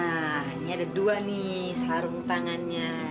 nah ini ada dua nih sarung tangannya